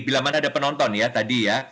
bila mana ada penonton ya tadi ya